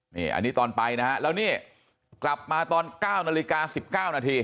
นี่อันนี้ตอนไปนะฮะแล้วนี่กลับมาตอน๙นาฬิกา๑๙นาที